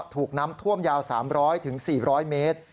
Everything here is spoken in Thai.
ถูกน้ำท่วมยาว๓๐๐๔๐๐เมตร